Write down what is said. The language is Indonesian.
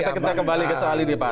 kita kembali ke soal ini pak